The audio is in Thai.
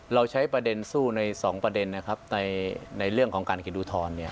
เราใช้ประเด็นสู้ในสองประเด็นนะครับในเรื่องของการกิจอุทธรณ์